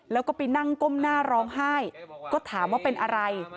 แล้วก็ไปนั่งก้มหน้าร้องไห้ก็ถามว่าเป็นอะไร